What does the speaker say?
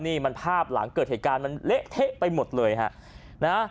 นี่มันภาพหลังเกิดเหตุการณ์มันเละเทะไปหมดเลยฮะนะฮะ